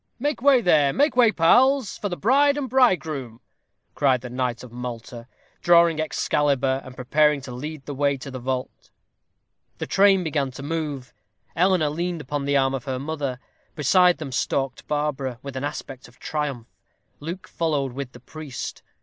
"Make way there make way, pals, for the bride and bridegroom," cried the knight of Malta, drawing Excalibur, and preparing to lead the way to the vault. The train began to move. Eleanor leaned upon the arm of her mother. Beside them stalked Barbara, with an aspect of triumph. Luke followed with the priest.